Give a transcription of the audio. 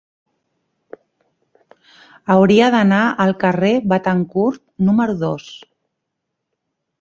Hauria d'anar al carrer de Béthencourt número dos.